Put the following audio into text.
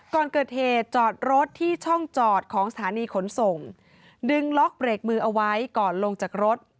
ก่อนเกิดเหตุจอดรถที่ช่องจอดของสถานีขนส่งดึงล็อกเบรกมือเอาไว้ก่อนลงจากรถ